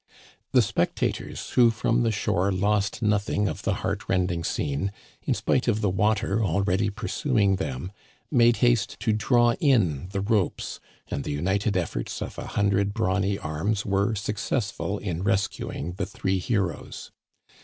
The spectators, who from the shore lost nothing of Digitized by VjOOQIC 62 THE CANADIANS OF OLD, the heart rending scene, in spite of the water already pursuing them, made haste to draw in the ropes, and the united efforts of a hundred brawny arms were suc cessful in rescuing the three heroes.